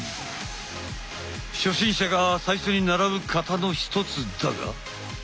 初心者が最初に習う形のひとつだが。